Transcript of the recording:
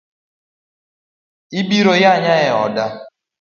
Ibiro yanya e oda .